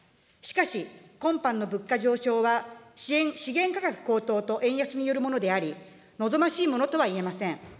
しかし、今般の物価上昇は、資源価格高騰と円安によるものであり、望ましいものとはいえません。